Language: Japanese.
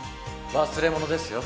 忘れ物ですよ。